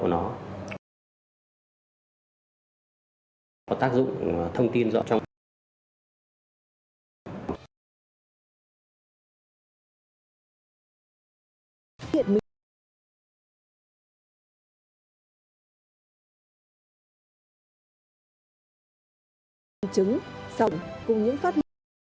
những thông tin vừa ra rất chính xác